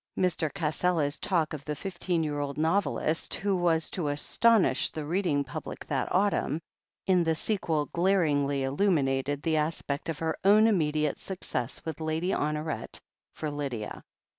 Mr. Cassela's talft of the fifteen year old novelist who was to astonish the reading public that autumn, in the sequel glaringly illtiminated the aspect of her own immediate success with Lady Honoret for Lydia.